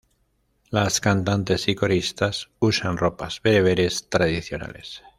Las cantantes y coristas usan ropas bereberes tradicionales.